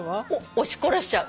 押し殺しちゃう。